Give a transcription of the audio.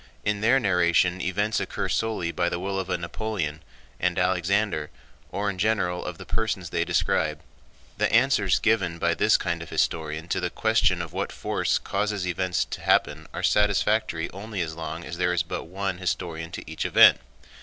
In their narration events occur solely by the will of a Napoleon, and Alexander, or in general of the persons they describe. The answers given by this kind of historian to the question of what force causes events to happen are satisfactory only as long as there is but one historian to each event.